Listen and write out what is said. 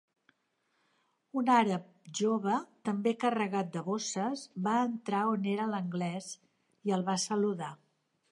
Un àrab jove, també carregat de bosses, va entrar on era l'Anglès i el va saludar.